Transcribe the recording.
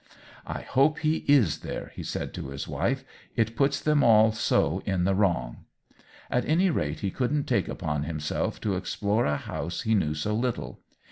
" I hope he is there," he said to his wife ; "it puts them all so in the wrong !" At any rate, he couldn't take upon himself to explore a house he knew so little.